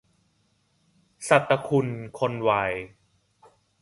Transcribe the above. ศตคุณ คนไว